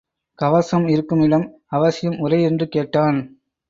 கவசம் இருக்கும் இடம் அவசியம் உரை என்று கேட்டான்.